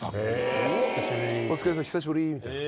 お疲れ久しぶりみたいな。